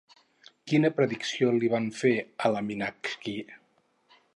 Quina predicció li van fer a la Minakxi?